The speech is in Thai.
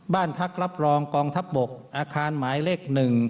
บ้านพักรับรองกองทัพบกอาคารหมายเลข๑